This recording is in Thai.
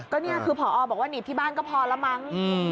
ก็นี่คือผอบอกว่าหนีบที่บ้านก็พอแล้วมั้ง